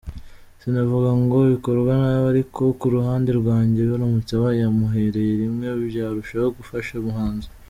Sinavuga ngo bikorwa nabi ariko kuruhande rwanjye baramutse bayamuhereye rimwe byarushaho gufasha umuhanzi.